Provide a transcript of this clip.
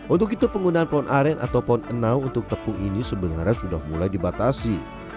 untuk itu penggunaan pohon aren atau pohon enau untuk tepung ini sebenarnya sudah mulai dibatasi